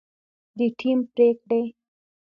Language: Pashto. د ټیم پرېکړې